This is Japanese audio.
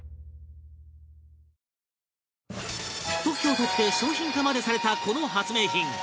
特許を取って商品化までされたこの発明品